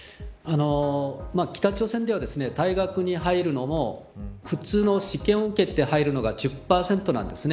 北朝鮮では大学に入るのも普通の試験を受けて入るのが１０％なんです。